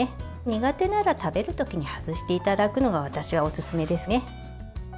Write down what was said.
苦手なら食べるときに外していただくのが私はおすすめです。